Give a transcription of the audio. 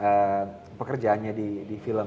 bayaran atas pekerjaannya di film